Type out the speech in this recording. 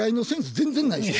全然ないでしょ。